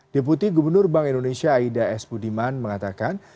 deputi gubernur bank indonesia aida s budiman mengatakan